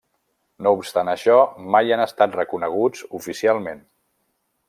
No obstant això, mai han estat reconeguts oficialment.